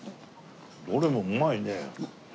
どれもうまいね。